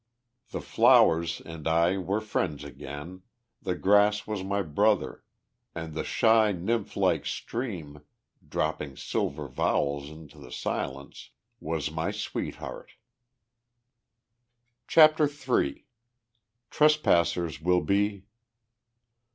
The flowers and I were friends again, the grass was my brother, and the shy nymph like stream, dropping silver vowels into the silence, was my sweetheart. CHAPTER III "TRESPASSERS WILL BE..."